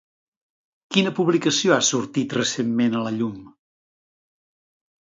Quina publicació ha sortit recentment a la llum?